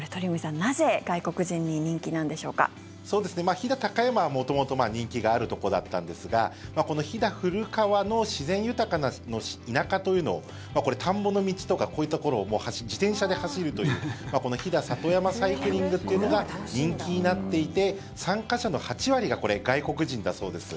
飛騨高山は元々人気があるところだったんですがこの飛騨古川の自然豊かな田舎というのをこれ、田んぼの道とかこういうところを自転車で走るという飛騨里山サイクリングというのが人気になっていて参加者の８割が外国人だそうです。